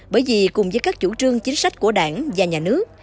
bởi vì cùng với các chủ trương chính sách của đảng và nhà nước